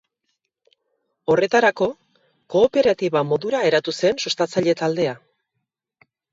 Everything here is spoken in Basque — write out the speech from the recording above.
Horretarako, Kooperatiba modura eratu zen sustatzaile taldea.